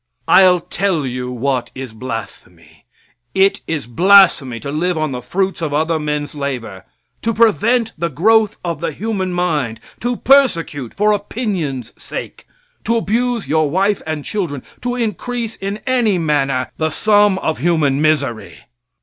I'll tell you what is blasphemy. It is blasphemy to live on the fruits of other men's labor, to prevent the growth of the human mind, to persecute for opinion's sake, to abuse your wife and children, to increase in any manner the sum of human misery.